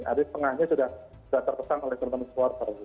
ada yang tengahnya sudah terpesan oleh teman teman supporter